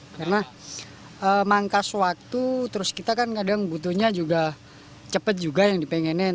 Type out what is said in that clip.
karena mangas waktu terus kita kan kadang butuhnya juga cepat juga yang dipengenin